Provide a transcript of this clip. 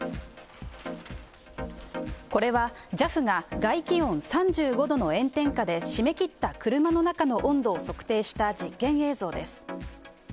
これはＪＡＦが外気温３５度の炎天下で閉めきった車の中の温度を測定した実験映像です。